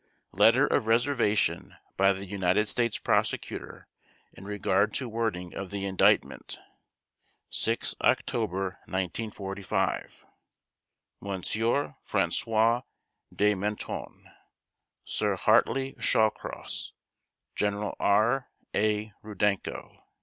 LETTER OF RESERVATION BY THE UNITED STATES PROSECUTOR IN REGARD TO WORDING OF THE INDICTMENT 6 October 1945 M. François de Menthon, Sir Hartley Shawcross, General R. A. Rudenko.